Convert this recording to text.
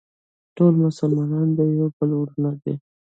ټول مسلمانان د یو بل وروڼه دي.